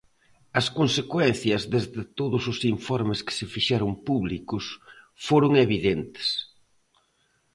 As consecuencias, desde todos os informes que se fixeron públicos, foron evidentes.